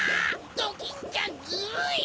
ドキンちゃんずるい！